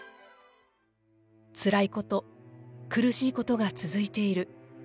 つらいこと、苦しいことが続いている。